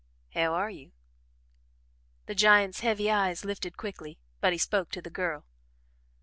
"How are you?" The giant's heavy eyes lifted quickly, but he spoke to the girl.